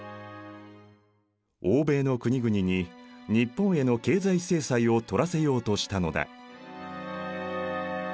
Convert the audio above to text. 欧米の国々に日本への経済制裁を取らせようとしたのだ。